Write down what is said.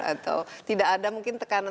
atau tidak ada mungkin tekanan